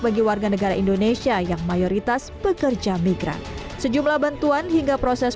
bagi warga negara indonesia yang mayoritas pekerja migran sejumlah bantuan hingga proses